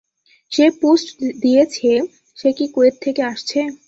যে পোষ্ট দিয়েছে সে কি কুয়েত থেকে আসছে?